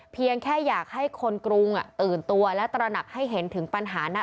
เพียงแค่อยากให้คนกรุงตื่นตัวและตระหนักให้เห็นถึงปัญหานั้น